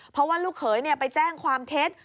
เพราะว่าลูกเขยไปแจ้งความเท็จ